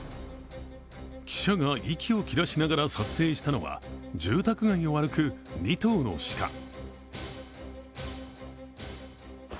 記者が息を切らしながら撮影したのは住宅街を歩く２頭の鹿。